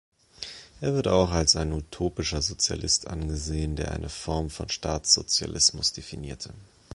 Er wird auch als ein utopischer Sozialist angesehen, der eine Form von Staatssozialismus definierte.